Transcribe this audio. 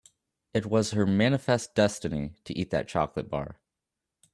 It was her manifest destiny to eat that chocolate bar.